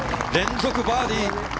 連続バーディー。